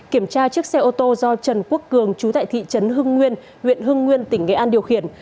kiểm tra chiếc xe ô tô do trần quốc cường chú tại thị trấn hưng nguyên huyện hưng nguyên tỉnh nghệ an điều khiển